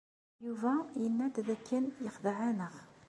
Yuba yenna-d dakken yexdeɛ-aneɣ.